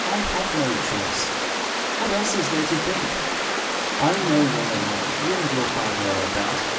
I have no choice: what else is there to think? I know well enough what you and your father are about.